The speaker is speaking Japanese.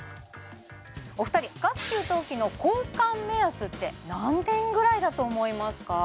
お二人ガス給湯器の交換目安って何年ぐらいだと思いますか？